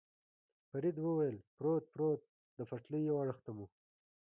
فرید وویل: پروت، پروت، د پټلۍ یو اړخ ته مو.